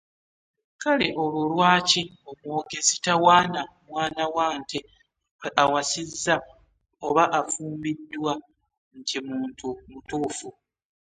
Kale olwo lwaki omwogezi tawaana mwana wa nte awasizza oba afumbiddwa nti muntu mutuufu.